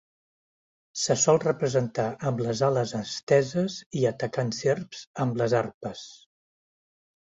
Se sol representar amb les ales esteses i atacant serps amb les arpes.